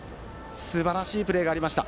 すばらしいプレーがありました。